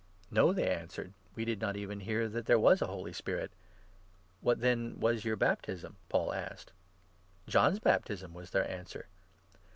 "No," they answered, "we did not even hear that there was a Holy Spirit." " What then was your baptism?" Paul asked. 3 "John's baptism," was their answer.